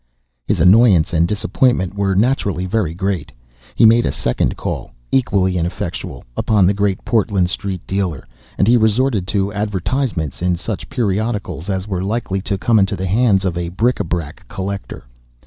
His annoyance and disappointment were naturally very great. He made a second call (equally ineffectual) upon the Great Portland Street dealer, and he resorted to advertisements in such periodicals as were likely to come into the hands of a bric a brac collector.